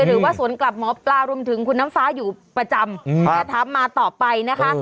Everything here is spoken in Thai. หรือว่าสวนกลับหมอปลารวมถึงคุณน้ำฟ้าอยู่ประจำแต่ถามมาต่อไปนะคะ